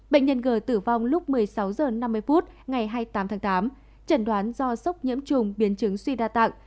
bệnh nhân g tử vong lúc một mươi sáu h năm mươi phút ngày hai mươi tám tháng tám trần đoán do sốc nhiễm trùng biến chứng suy đa tạng